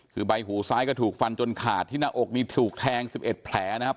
คือใบหูซ้ายก็ถูกฟันจนขาดที่หน้าอกนี้ถูกแทง๑๑แผลนะครับ